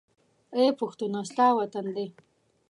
اې پښتونه! ستا وطن دى